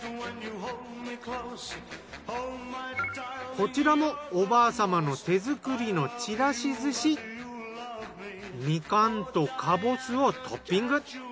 こちらもおばあさまの手作りのみかんとかぼすをトッピング。